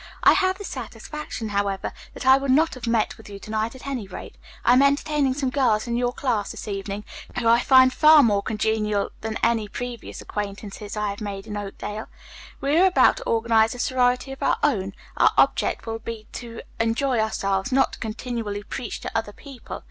I have this satisfaction, however, that I would not have met with you to night, at any rate. I am entertaining some girls in your class this evening, whom I find far more congenial than any previous acquaintances I have made in Oakdale. We are about to organize a sorority of our own. Our object will be to enjoy ourselves, not to continually preach to other people.